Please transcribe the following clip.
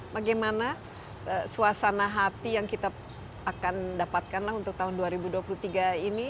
bagaimana suasana hati yang kita akan dapatkan untuk tahun dua ribu dua puluh tiga ini